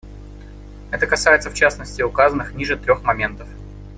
Это касается, в частности, указанных ниже трех моментов.